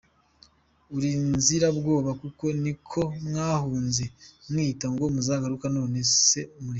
Urinzirabwoba koko niko mwahunze mwiyita ngo muzagaruka none se murihe..?